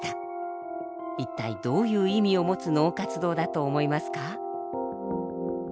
一体どういう意味を持つ脳活動だと思いますか？